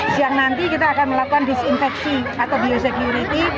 siang nanti kita akan melakukan disinfeksi atau biosecurity